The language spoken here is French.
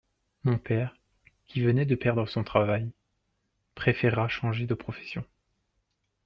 Mon père, qui venait de perdre son travail, préféra changer de profession.